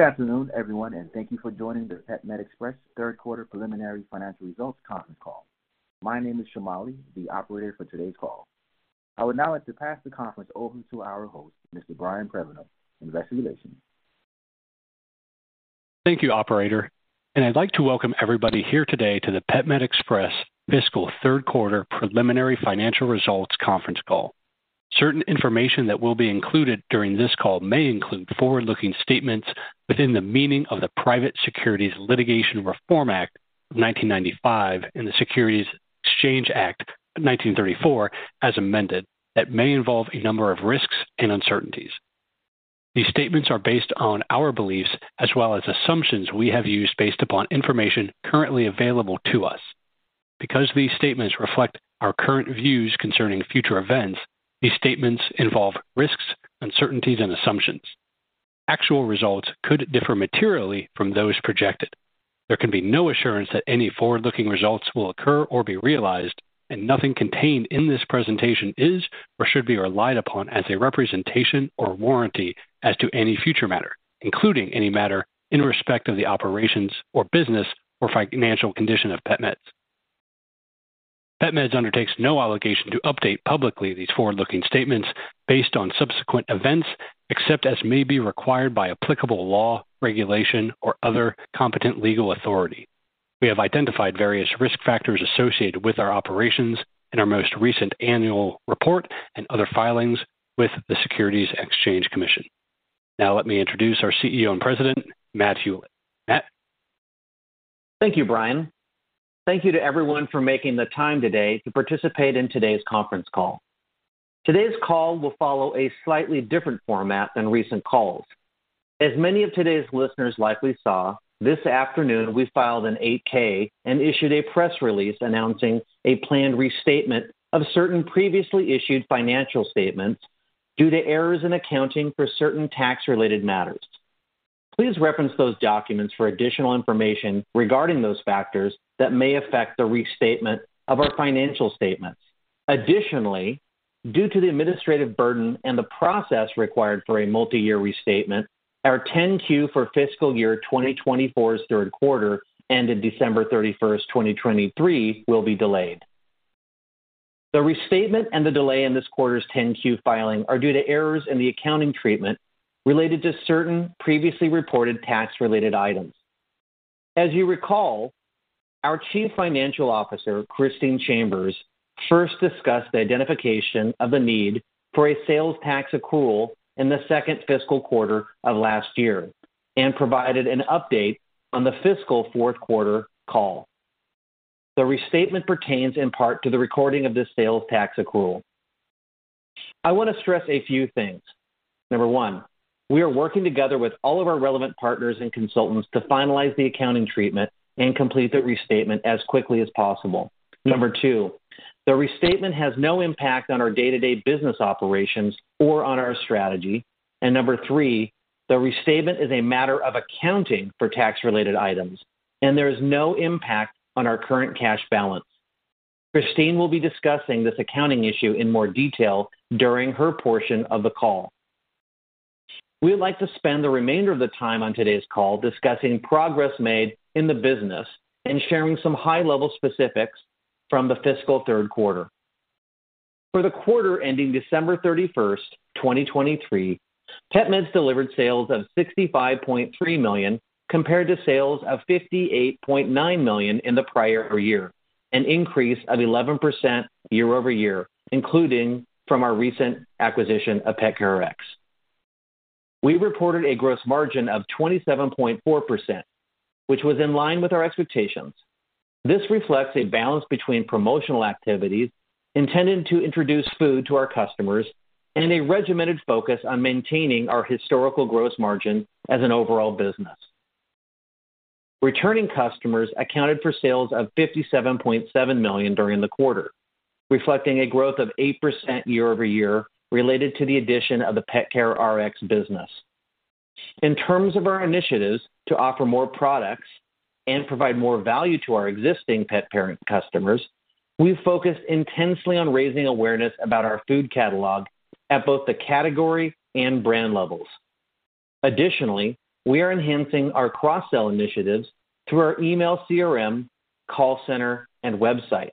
Good afternoon, everyone, and thank you for joining the PetMed Express Third Quarter Preliminary Financial Results Conference Call. My name is Shamali, the operator for today's call. I would now like to pass the conference over to our host, Mr. Brian Prenoveau, investor relations. Thank you, operator. I'd like to welcome everybody here today to the PetMed Express Fiscal Third Quarter Preliminary Financial Results Conference Call. Certain information that will be included during this call may include forward-looking statements within the meaning of the Private Securities Litigation Reform Act of 1995 and the Securities Exchange Act of 1934 as amended that may involve a number of risks and uncertainties. These statements are based on our beliefs as well as assumptions we have used based upon information currently available to us. Because these statements reflect our current views concerning future events, these statements involve risks, uncertainties, and assumptions. Actual results could differ materially from those projected. There can be no assurance that any forward-looking results will occur or be realized, and nothing contained in this presentation is or should be relied upon as a representation or warranty as to any future matter, including any matter in respect of the operations or business or financial condition of PetMeds. PetMeds undertakes no obligation to update publicly these forward-looking statements based on subsequent events except as may be required by applicable law, regulation, or other competent legal authority. We have identified various risk factors associated with our operations in our most recent annual report and other filings with the Securities and Exchange Commission. Now let me introduce our CEO and President, Matt Hulett. Matt. Thank you, Brian. Thank you to everyone for making the time today to participate in today's conference call. Today's call will follow a slightly different format than recent calls. As many of today's listeners likely saw, this afternoon we filed an 8-K and issued a press release announcing a planned restatement of certain previously issued financial statements due to errors in accounting for certain tax-related matters. Please reference those documents for additional information regarding those factors that may affect the restatement of our financial statements. Additionally, due to the administrative burden and the process required for a multi-year restatement, our 10-Q for fiscal year 2024 third quarter ended December 31, 2023, will be delayed. The restatement and the delay in this quarter's 10-Q filing are due to errors in the accounting treatment related to certain previously reported tax-related items. As you recall, our Chief Financial Officer, Christine Chambers, first discussed the identification of the need for a sales tax accrual in the second fiscal quarter of last year and provided an update on the fiscal fourth quarter call. The restatement pertains in part to the recording of this sales tax accrual. I want to stress a few things. Number one, we are working together with all of our relevant partners and consultants to finalize the accounting treatment and complete the restatement as quickly as possible. Number two, the restatement has no impact on our day-to-day business operations or on our strategy. And number three, the restatement is a matter of accounting for tax-related items, and there is no impact on our current cash balance. Christine will be discussing this accounting issue in more detail during her portion of the call. We would like to spend the remainder of the time on today's call discussing progress made in the business and sharing some high-level specifics from the fiscal third quarter. For the quarter ending December 31, 2023, PetMeds delivered sales of $65.3 million compared to sales of $58.9 million in the prior year, an increase of 11% year-over-year, including from our recent acquisition of PetCareRx. We reported a gross margin of 27.4%, which was in line with our expectations. This reflects a balance between promotional activities intended to introduce food to our customers and a regimented focus on maintaining our historical gross margin as an overall business. Returning customers accounted for sales of $57.7 million during the quarter, reflecting a growth of 8% year-over-year related to the addition of the PetCareRx business. In terms of our initiatives to offer more products and provide more value to our existing pet parent customers, we've focused intensely on raising awareness about our food catalog at both the category and brand levels. Additionally, we are enhancing our cross-sell initiatives through our email CRM, call center, and website.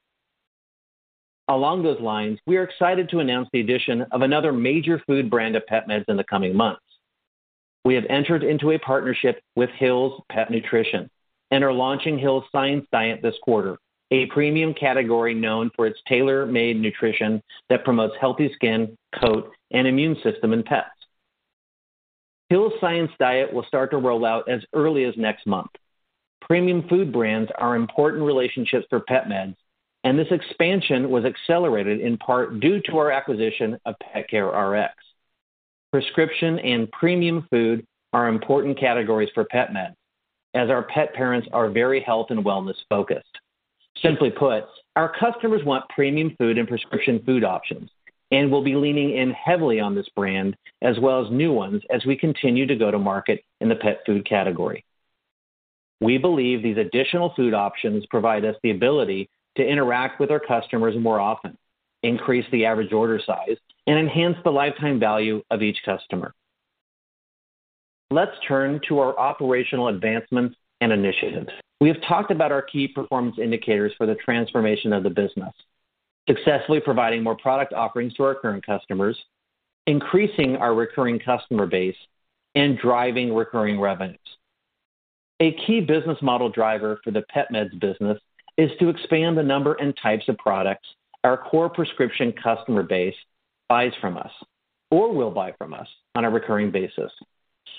Along those lines, we are excited to announce the addition of another major food brand of PetMeds in the coming months. We have entered into a partnership with Hill's Pet Nutrition and are launching Hill's Science Diet this quarter, a premium category known for its tailor-made nutrition that promotes healthy skin, coat, and immune system in pets. Hill's Science Diet will start to roll out as early as next month. Premium food brands are important relationships for PetMeds, and this expansion was accelerated in part due to our acquisition of PetCareRx. Prescription and premium food are important categories for PetMeds as our pet parents are very health and wellness-focused. Simply put, our customers want premium food and prescription food options, and we'll be leaning in heavily on this brand as well as new ones as we continue to go to market in the pet food category. We believe these additional food options provide us the ability to interact with our customers more often, increase the average order size, and enhance the lifetime value of each customer. Let's turn to our operational advancements and initiatives. We have talked about our key performance indicators for the transformation of the business: successfully providing more product offerings to our current customers, increasing our recurring customer base, and driving recurring revenues. A key business model driver for the PetMeds business is to expand the number and types of products our core prescription customer base buys from us or will buy from us on a recurring basis.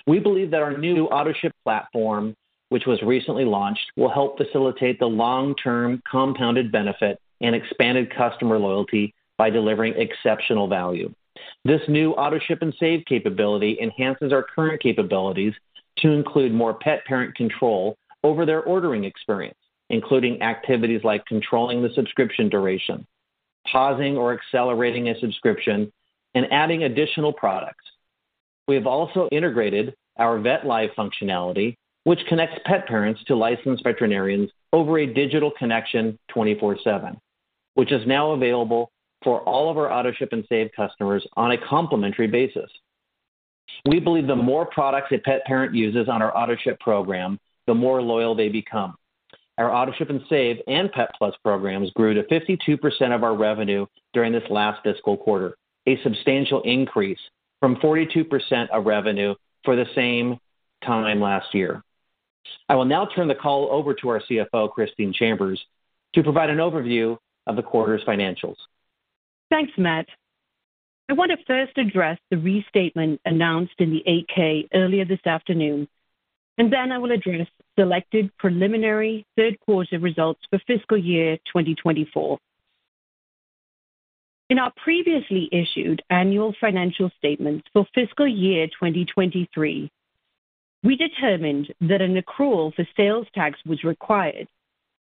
We believe that our new AutoShip platform, which was recently launched, will help facilitate the long-term compounded benefit and expanded customer loyalty by delivering exceptional value. This new AutoShip and Save capability enhances our current capabilities to include more pet parent control over their ordering experience, including activities like controlling the subscription duration, pausing or accelerating a subscription, and adding additional products. We have also integrated our VetLive functionality, which connects pet parents to licensed veterinarians over a digital connection 24/7, which is now available for all of our AutoShip and Save customers on a complementary basis. We believe the more products a pet parent uses on our AutoShip program, the more loyal they become. Our AutoShip and Save and PetPlus programs grew to 52% of our revenue during this last fiscal quarter, a substantial increase from 42% of revenue for the same time last year. I will now turn the call over to our CFO, Christine Chambers, to provide an overview of the quarter's financials. Thanks, Matt. I want to first address the restatement announced in the 8-K earlier this afternoon, and then I will address selected preliminary third quarter results for fiscal year 2024. In our previously issued annual financial statements for fiscal year 2023, we determined that an accrual for sales tax was required,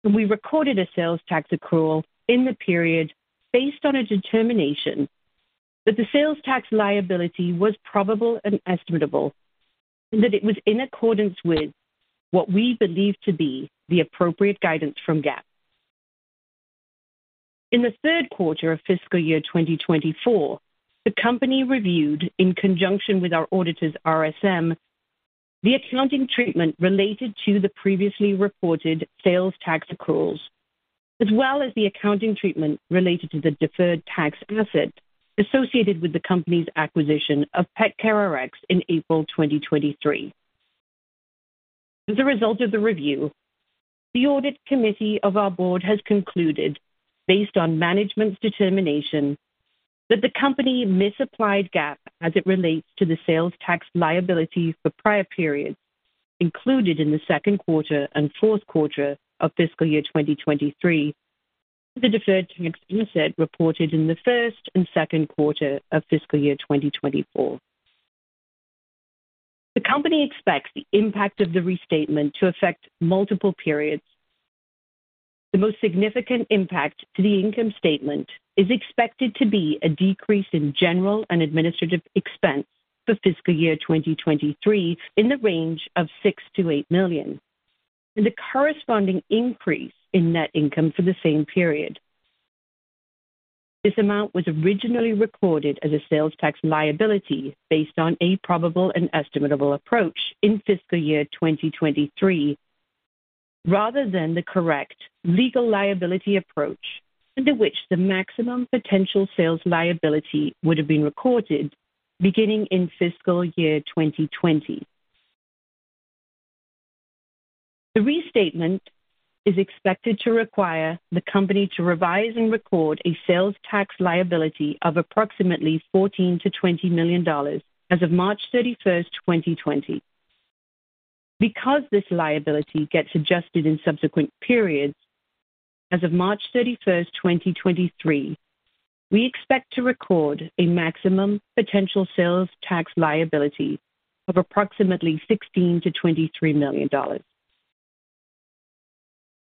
and we recorded a sales tax accrual in the period based on a determination that the sales tax liability was probable and estimatable, and that it was in accordance with what we believed to be the appropriate guidance from GAAP. In the third quarter of fiscal year 2024, the company reviewed, in conjunction with our auditor, RSM, the accounting treatment related to the previously reported sales tax accruals, as well as the accounting treatment related to the deferred tax asset associated with the company's acquisition of PetCareRx in April 2023. As a result of the review, the audit committee of our board has concluded, based on management's determination, that the company misapplied GAAP as it relates to the sales tax liability for prior periods included in the second quarter and fourth quarter of fiscal year 2023 and the deferred tax asset reported in the first and second quarter of fiscal year 2024. The company expects the impact of the restatement to affect multiple periods. The most significant impact to the income statement is expected to be a decrease in general and administrative expense for fiscal year 2023 in the range of $6 million-$8 million and the corresponding increase in net income for the same period. This amount was originally recorded as a sales tax liability based on a probable and estimatable approach in fiscal year 2023 rather than the correct legal liability approach under which the maximum potential sales liability would have been recorded beginning in fiscal year 2020. The restatement is expected to require the company to revise and record a sales tax liability of approximately $14 million-$20 million as of March 31, 2020. Because this liability gets adjusted in subsequent periods, as of March 31, 2023, we expect to record a maximum potential sales tax liability of approximately $16 million-$23 million.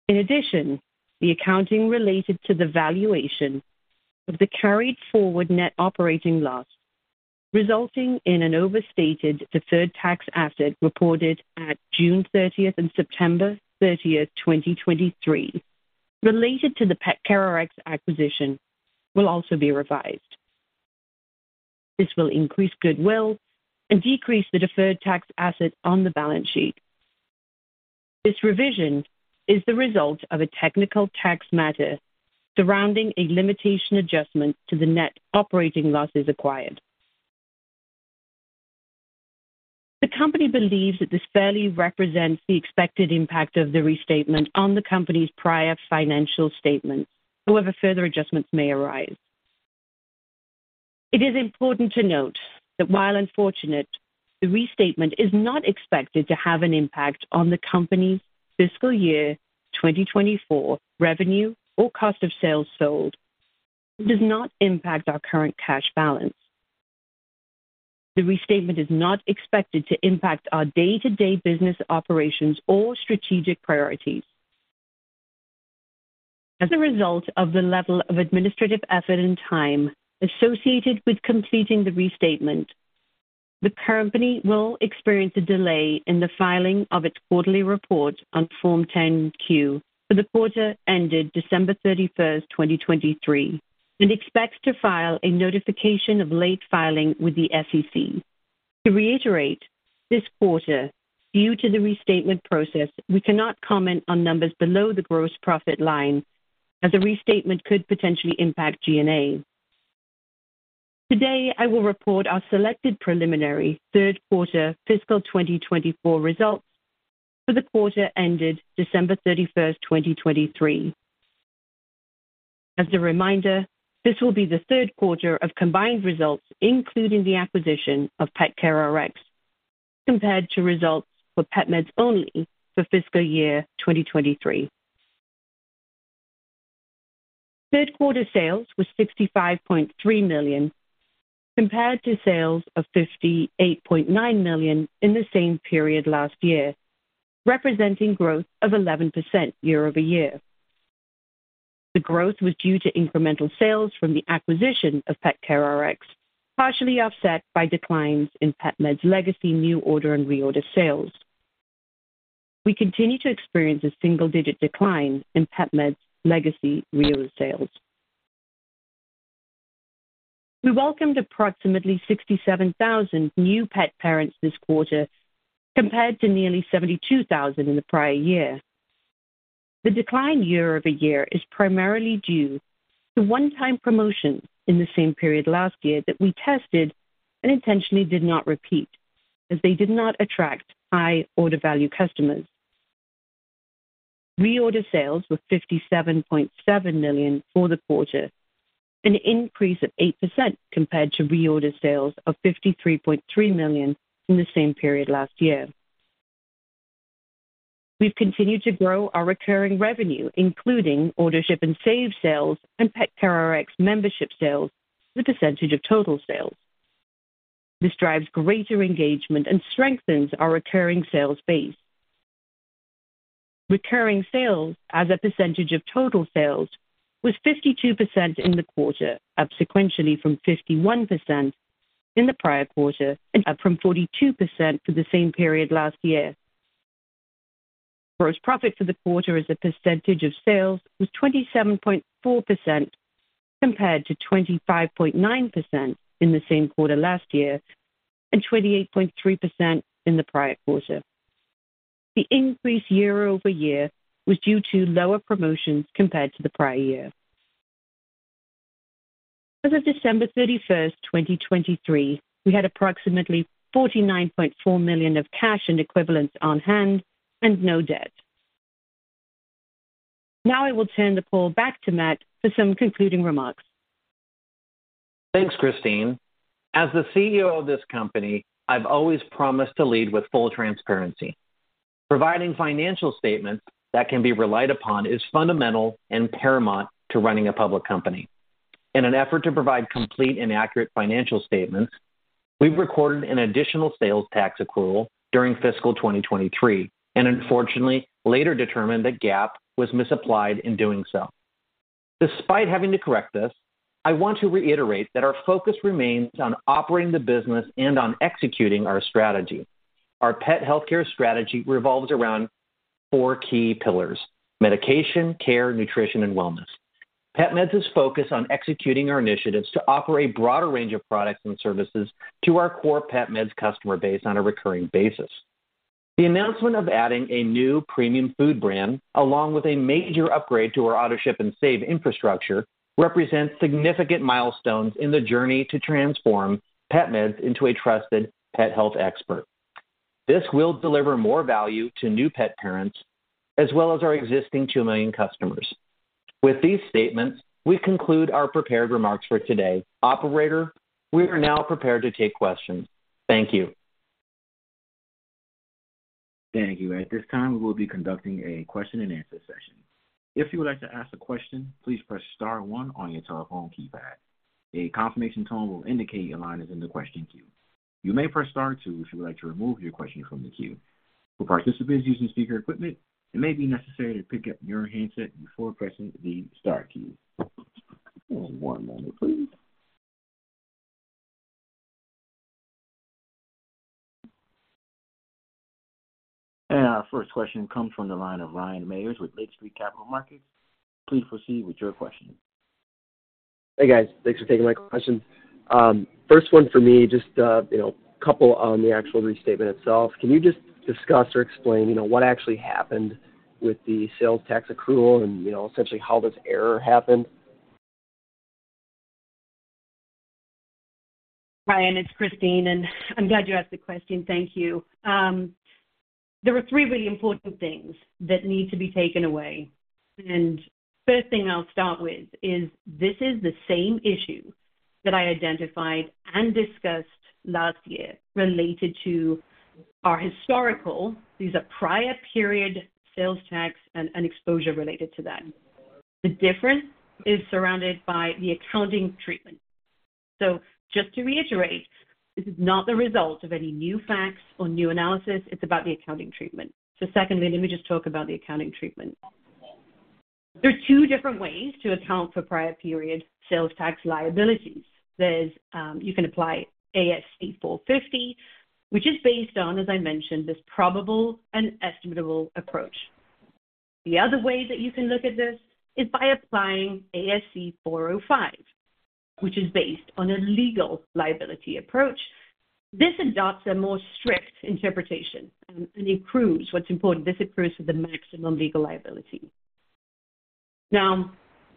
In addition, the accounting related to the valuation of the carried forward net operating loss resulting in an overstated deferred tax asset reported at June 30 and September 30, 2023, related to the PetCareRx acquisition will also be revised. This will increase goodwill and decrease the deferred tax asset on the balance sheet. This revision is the result of a technical tax matter surrounding a limitation adjustment to the net operating losses acquired. The company believes that this fairly represents the expected impact of the restatement on the company's prior financial statements. However, further adjustments may arise. It is important to note that, while unfortunate, the restatement is not expected to have an impact on the company's fiscal year 2024 revenue or cost of sales sold. It does not impact our current cash balance. The restatement is not expected to impact our day-to-day business operations or strategic priorities. As a result of the level of administrative effort and time associated with completing the restatement, the company will experience a delay in the filing of its quarterly report on Form 10-Q for the quarter ended December 31, 2023, and expects to file a notification of late filing with the SEC. To reiterate, this quarter, due to the restatement process, we cannot comment on numbers below the gross profit line as the restatement could potentially impact G&A. Today, I will report our selected preliminary third quarter fiscal 2024 results for the quarter ended December 31, 2023. As a reminder, this will be the third quarter of combined results including the acquisition of PetCareRx compared to results for PetMeds only for fiscal year 2023. Third quarter sales were $65.3 million compared to sales of $58.9 million in the same period last year, representing growth of 11% year-over-year. The growth was due to incremental sales from the acquisition of PetCareRx partially offset by declines in PetMeds legacy new order and reorder sales. We continue to experience a single-digit decline in PetMeds legacy reorder sales. We welcomed approximately 67,000 new pet parents this quarter compared to nearly 72,000 in the prior year. The decline year-over-year is primarily due to one-time promotions in the same period last year that we tested and intentionally did not repeat as they did not attract high order value customers. Reorder sales were $57.7 million for the quarter, an increase of 8% compared to reorder sales of $53.3 million in the same period last year. We've continued to grow our recurring revenue including AutoShip and Save sales and PetCareRx membership sales as a percentage of total sales. This drives greater engagement and strengthens our recurring sales base. Recurring sales as a percentage of total sales was 52% in the quarter, up sequentially from 51% in the prior quarter and up from 42% for the same period last year. Gross profit for the quarter as a percentage of sales was 27.4% compared to 25.9% in the same quarter last year and 28.3% in the prior quarter. The increase year-over-year was due to lower promotions compared to the prior year. As of December 31, 2023, we had approximately $49.4 million of cash and equivalents on hand and no debt. Now I will turn the call back to Matt for some concluding remarks. Thanks, Christine. As the CEO of this company, I've always promised to lead with full transparency. Providing financial statements that can be relied upon is fundamental and paramount to running a public company. In an effort to provide complete and accurate financial statements, we've recorded an additional sales tax accrual during fiscal 2023 and unfortunately later determined that GAAP was misapplied in doing so. Despite having to correct this, I want to reiterate that our focus remains on operating the business and on executing our strategy. Our pet healthcare strategy revolves around four key pillars: medication, care, nutrition, and wellness. PetMeds' focus on executing our initiatives to offer a broader range of products and services to our core PetMeds customer base on a recurring basis. The announcement of adding a new premium food brand along with a major upgrade to our AutoShip and Save infrastructure represents significant milestones in the journey to transform PetMeds into a trusted pet health expert. This will deliver more value to new pet parents as well as our existing 2 million customers. With these statements, we conclude our prepared remarks for today. Operator, we are now prepared to take questions. Thank you. Thank you. At this time, we will be conducting a question and answer session. If you would like to ask a question, please press star one on your telephone keypad. A confirmation tone will indicate your line is in the question queue. You may press star two if you would like to remove your question from the queue. For participants using speaker equipment, it may be necessary to pick up your handset before pressing the star key. One moment, please. And our first question comes from the line of Ryan Meyers with Lake Street Capital Markets. Please proceed with your question. Hey, guys. Thanks for taking my question. First one for me, just a couple on the actual restatement itself. Can you just discuss or explain what actually happened with the sales tax accrual and essentially how this error happened? Hi, and it's Christine, and I'm glad you asked the question. Thank you. There are three really important things that need to be taken away. First thing I'll start with is this is the same issue that I identified and discussed last year related to our historical these are prior period sales tax and exposure related to that. The difference is surrounded by the accounting treatment. So just to reiterate, this is not the result of any new facts or new analysis. It's about the accounting treatment. So secondly, let me just talk about the accounting treatment. There are two different ways to account for prior period sales tax liabilities. You can apply ASC 450, which is based on, as I mentioned, this probable and estimatable approach. The other way that you can look at this is by applying ASC 405, which is based on a legal liability approach. This adopts a more strict interpretation and improves what's important. This improves the maximum legal liability. Now,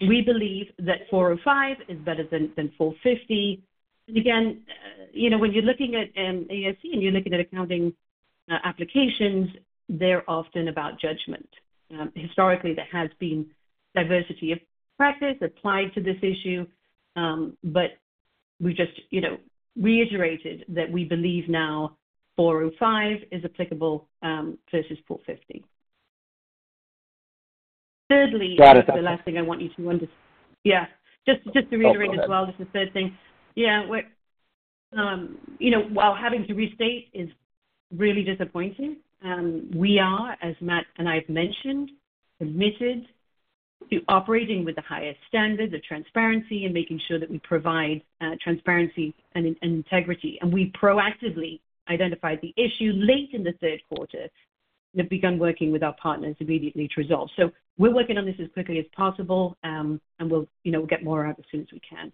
we believe that 405 is better than 450. And again, when you're looking at ASC and you're looking at accounting applications, they're often about judgment. Historically, there has been diversity of practice applied to this issue, but we just reiterated that we believe now 405 is applicable versus 450. Thirdly. Got it. That's. The last thing I want you to, yeah. Just to reiterate as well, this is the third thing. Yeah. While having to restate is really disappointing, we are, as Matt and I have mentioned, committed to operating with the highest standards, the transparency, and making sure that we provide transparency and integrity. We proactively identified the issue late in the third quarter and have begun working with our partners immediately to resolve. We're working on this as quickly as possible, and we'll get more out as soon as we can.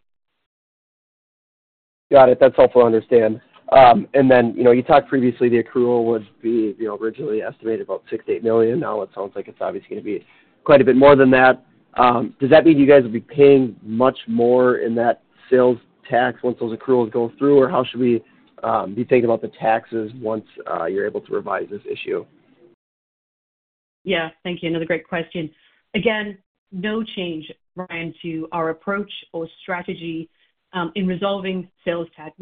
Got it. That's helpful to understand. And then you talked previously the accrual would be originally estimated about $6 million-$8 million. Now, it sounds like it's obviously going to be quite a bit more than that. Does that mean you guys will be paying much more in that sales tax once those accruals go through, or how should we be thinking about the taxes once you're able to revise this issue? Yeah. Thank you. Another great question. Again, no change, Ryan, to our approach or strategy in resolving sales tax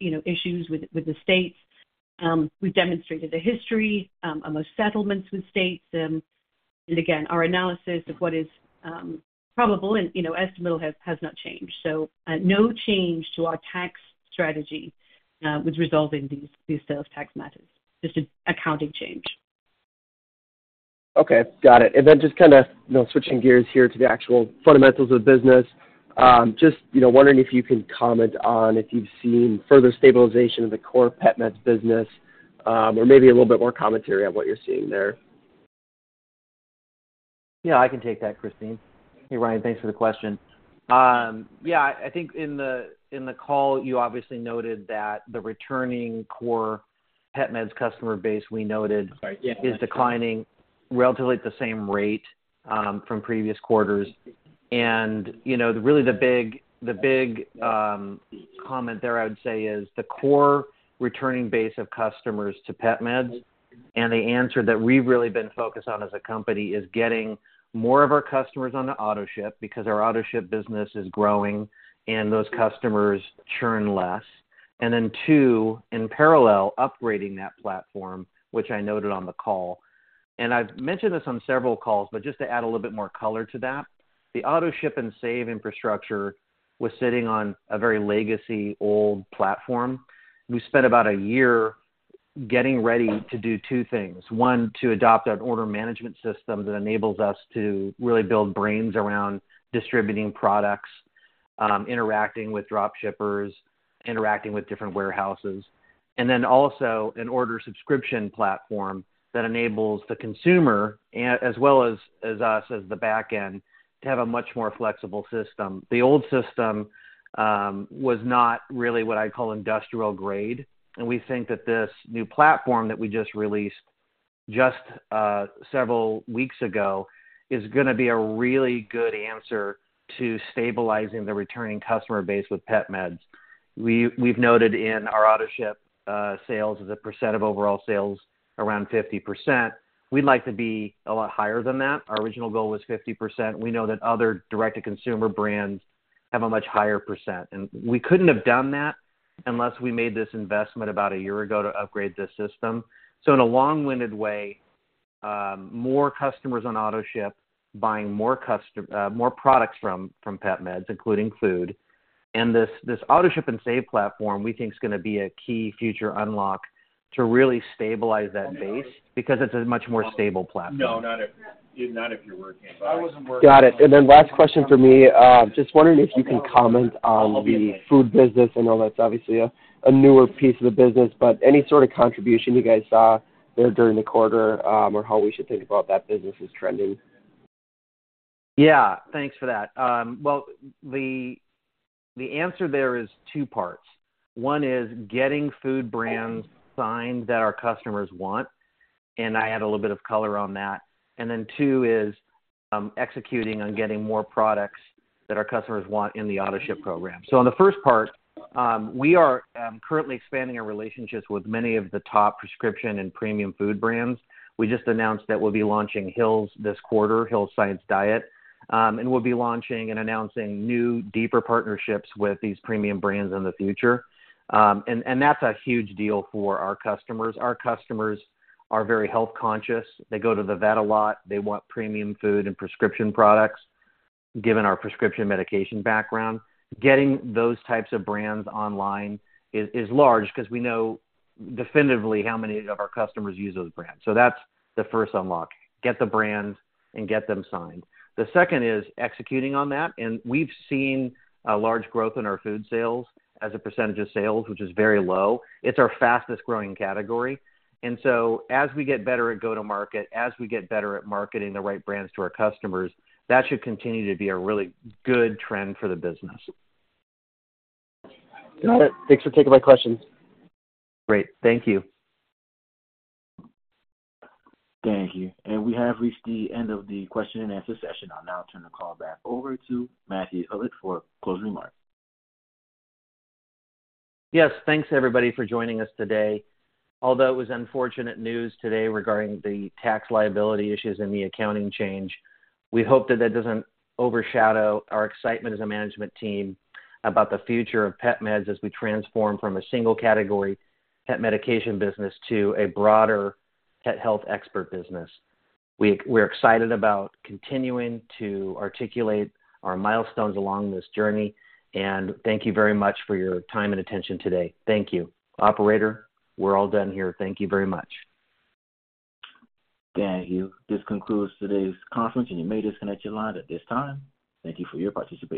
issues with the states. We've demonstrated a history among settlements with states. And again, our analysis of what is probable and estimatable has not changed. No change to our tax strategy with resolving these sales tax matters, just an accounting change. Okay. Got it. And then just kind of switching gears here to the actual fundamentals of business, just wondering if you can comment on if you've seen further stabilization in the core PetMeds business or maybe a little bit more commentary on what you're seeing there? Yeah, I can take that, Christine. Hey, Ryan, thanks for the question. Yeah, I think in the call, you obviously noted that the returning core PetMeds customer base we noted. I'm sorry. Yeah. Is declining relatively at the same rate from previous quarters. And really, the big comment there, I would say, is the core returning base of customers to PetMeds. And the answer that we've really been focused on as a company is getting more of our customers on the AutoShip because our AutoShip business is growing, and those customers churn less. And then two, in parallel, upgrading that platform, which I noted on the call. And I've mentioned this on several calls, but just to add a little bit more color to that, the AutoShip and Save infrastructure was sitting on a very legacy old platform. We spent about a year getting ready to do two things. One, to adopt an order management system that enables us to really build brains around distributing products, interacting with dropshippers, interacting with different warehouses, and then also an order subscription platform that enables the consumer as well as us as the backend to have a much more flexible system. The old system was not really what I'd call industrial grade. And we think that this new platform that we just released just several weeks ago is going to be a really good answer to stabilizing the returning customer base with PetMeds. We've noted in our AutoShip sales as a percent of overall sales around 50%. We'd like to be a lot higher than that. Our original goal was 50%. We know that other direct-to-consumer brands have a much higher percent. And we couldn't have done that unless we made this investment about a year ago to upgrade this system. In a long-winded way, more customers on AutoShip buying more products from PetMeds, including food. This AutoShip and Save platform, we think, is going to be a key future unlock to really stabilize that base because it's a much more stable platform. No, not if you're working by. I wasn't working. Got it. And then last question for me. Just wondering if you can comment on the food business. I know that's obviously a newer piece of the business, but any sort of contribution you guys saw there during the quarter or how we should think about that business as trending? Yeah. Thanks for that. Well, the answer there is two parts. One is getting food brands signed that our customers want. And I add a little bit of color on that. And then two is executing on getting more products that our customers want in the AutoShip program. So on the first part, we are currently expanding our relationships with many of the top prescription and premium food brands. We just announced that we'll be launching Hill's this quarter, Hill's Science Diet. And we'll be launching and announcing new, deeper partnerships with these premium brands in the future. And that's a huge deal for our customers. Our customers are very health-conscious. They go to the vet a lot. They want premium food and prescription products given our prescription medication background. Getting those types of brands online is large because we know definitively how many of our customers use those brands. So that's the first unlock. Get the brands and get them signed. The second is executing on that. And we've seen a large growth in our food sales as a percentage of sales, which is very low. It's our fastest-growing category. And so as we get better at go-to-market, as we get better at marketing the right brands to our customers, that should continue to be a really good trend for the business. Got it. Thanks for taking my questions. Great. Thank you. Thank you. We have reached the end of the question and answer session. I'll now turn the call back over to Matt Hulett for closing remarks. Yes. Thanks, everybody, for joining us today. Although it was unfortunate news today regarding the tax liability issues and the accounting change, we hope that that doesn't overshadow our excitement as a management team about the future of PetMeds as we transform from a single category, pet medication business, to a broader pet health expert business. We're excited about continuing to articulate our milestones along this journey. Thank you very much for your time and attention today. Thank you. Operator, we're all done here. Thank you very much. Thank you. This concludes today's conference, and you may disconnect your line at this time. Thank you for your participation.